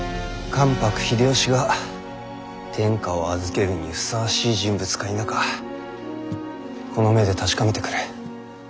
関白秀吉が天下を預けるにふさわしい人物か否かこの目で確かめてくる。